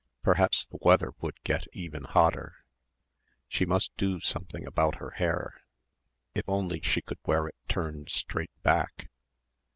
Perhaps the weather would get even hotter. She must do something about her hair ... if only she could wear it turned straight back.